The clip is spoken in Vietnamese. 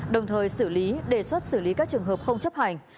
đồng thời xử lý đề xuất xử lý các trường hợp không chấp hành